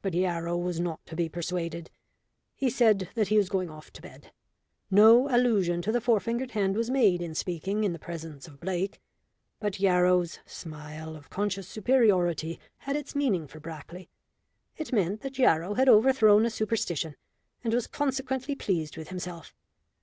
But Yarrow was not to be persuaded. He said that he was going off to bed. No allusion to the four fingered hand was made in speaking in the presence of Blake, but Yarrow's smile of conscious superiority had its meaning for Brackley. It meant that Yarrow had overthrown a superstition, and was consequently pleased with himself.